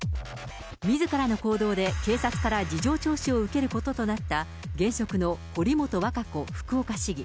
みずからの行動で警察から事情聴取を受けることとなった、現職の堀本和歌子福岡市議。